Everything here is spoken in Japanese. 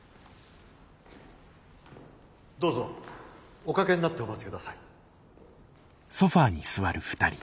どうぞお掛けになってお待ち下さい。